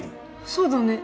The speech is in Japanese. そうだね。